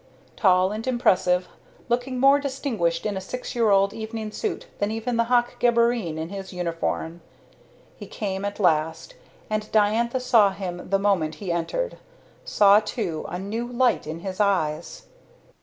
Tall and impressive, looking more distinguished in a six year old evening suit than even the Hoch Geborene in his uniform, he came at last, and Diantha saw him the moment he entered; saw, too, a new light in his eyes.